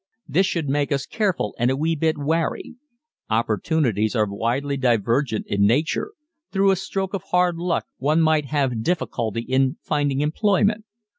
This should make us careful and a wee bit wary. Opportunities are widely divergent in nature through a stroke of hard luck one might have difficulty in finding employment.